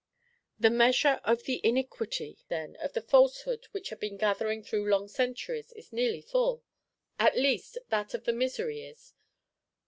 The measure of the Iniquity, then, of the Falsehood which has been gathering through long centuries, is nearly full? At least, that of the misery is!